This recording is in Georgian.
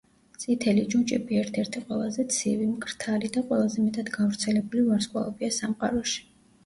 წითელი ჯუჯები ერთ-ერთი ყველაზე ცივი, მკრთალი და ყველაზე მეტად გავრცელებული ვარსკვლავებია სამყაროში.